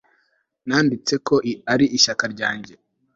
nanditse kuko ari ishyaka ryanjye